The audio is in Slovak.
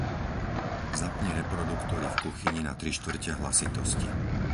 Zapni reproduktory v kuchyni na trištvrte hlasitosti.